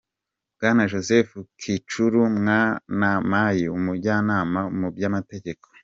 Bwana Joseph Cikuru Mwanamayi, Umujyanama mu by’amategeko,